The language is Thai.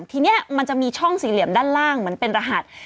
ทีนี้มันจะมีช่องสี่เหลี่ยมด้านล่างเหมือนเป็นรหัส